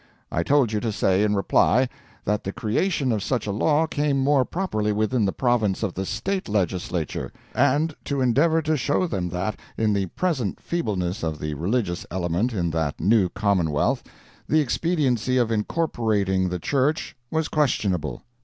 I told you to say, in reply, that the creation of such a law came more properly within the province of the state legislature; and to endeavor to show them that, in the present feebleness of the religious element in that new commonwealth, the expediency of incorporating the church was questionable.